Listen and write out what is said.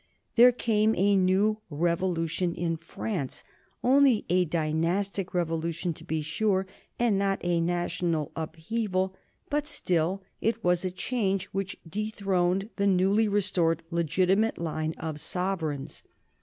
There came a new revolution in France only a dynastic revolution, to be sure, and not a national upheaval, but still it was a change which dethroned the newly restored legitimate line of sovereigns.